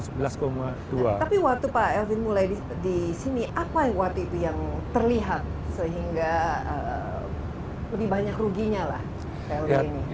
tapi waktu pak elvin mulai di sini apa waktu itu yang terlihat sehingga lebih banyak ruginya lah plt ini